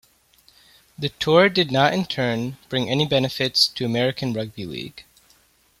The tour did not in turn bring any benefits to American rugby league.